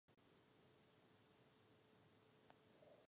Obdržela pozitivní kritiky.